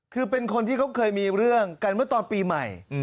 คือเป็นคนที่เขาเคยมีเรื่องกันเมื่อตอนปีใหม่